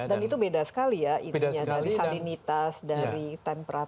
dan itu beda sekali ya salinitas dari temperatur